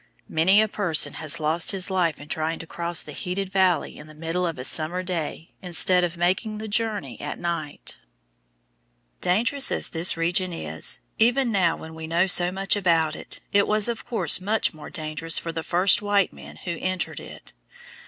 Many a person has lost his life in trying to cross the heated valley in the middle of a summer day instead of making the journey at night. [Illustration: FIG. 73. ENTERING DEATH VALLEY] Dangerous as this region is, even now when we know so much about it, it was of course much more dangerous for the first white men who entered it.